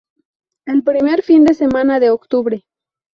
El primer fin de semana de octubre.